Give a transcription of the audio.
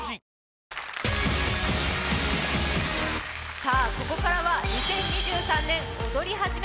さあ、ここからは、２０２３年踊りはじめ！